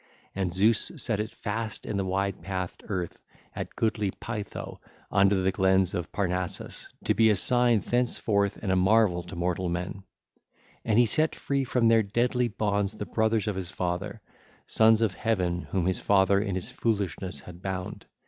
And Zeus set it fast in the wide pathed earth at goodly Pytho under the glens of Parnassus, to be a sign thenceforth and a marvel to mortal men 1620. And he set free from their deadly bonds the brothers of his father, sons of Heaven whom his father in his foolishness had bound.